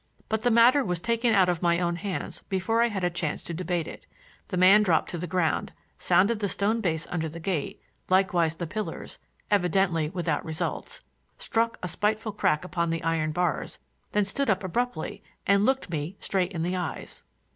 But the matter was taken out of my own hands before I had a chance to debate it. The man dropped to the ground, sounded the stone base under the gate, likewise the pillars, evidently without results, struck a spiteful crack upon the iron bars, then stood up abruptly and looked me straight in the eyes.